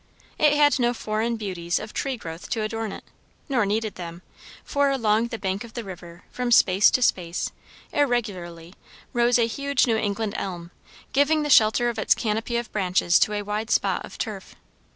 It had no foreign beauties of tree growth to adorn it, nor needed them; for along the bank of the river, from space to space, irregularly, rose a huge New England elm, giving the shelter of its canopy of branches to a wide spot of turf.